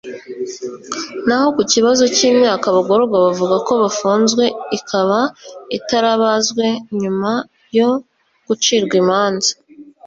na ho ku kibazo cy’imyaka abagororwa bavuga ko bafunzwe ikaba itarabazwe nyuma yo gucirwa imanza